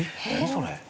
それ。